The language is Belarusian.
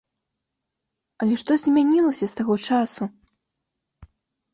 Але што змянілася з таго часу?